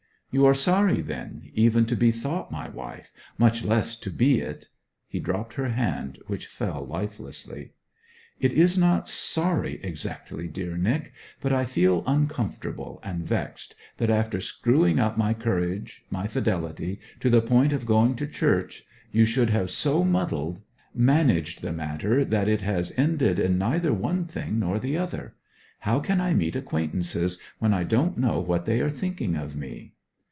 'You are sorry, then, even to be thought my wife, much less to be it.' He dropped her hand, which fell lifelessly. 'It is not sorry exactly, dear Nic. But I feel uncomfortable and vexed, that after screwing up my courage, my fidelity, to the point of going to church, you should have so muddled managed the matter that it has ended in neither one thing nor the other. How can I meet acquaintances, when I don't know what they are thinking of me?'